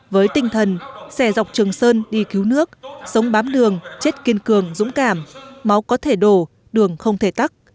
với tinh thần xẻ dọc trường sơn đi cứu nước sống bám đường chết kiên cường dũng cảm máu có thể đổ đường không thể tắc